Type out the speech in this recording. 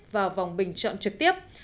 vào vòng bình chọn trực tiếp